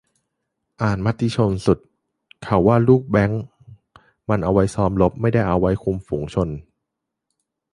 อ่านมติชนสุด เขาว่าลูกแบลงก์มันเอาไว้ซ้อมรบ ไม่ได้เอาไว้คุมฝูงชน